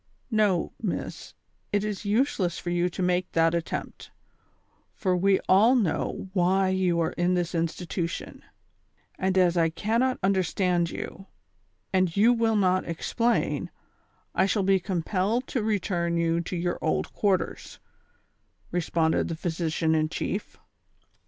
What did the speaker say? "No, miss ; it is useless for you to make that attempt, for we all know why you are in this institution ; and as I cannot understand you, and you will not explain, I shall be compelled to return you to your old quarters," responded the physician in chief.